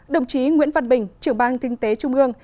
đồng chí nguyễn văn bình trưởng ban kinh tế trung ương